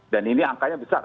dan ini angkanya besar